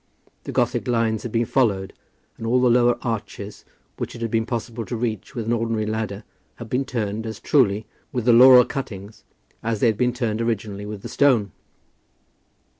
The Gothic lines had been followed, and all the lower arches which it had been possible to reach with an ordinary ladder had been turned as truly with the laurel cuttings as they had been turned originally with the stone.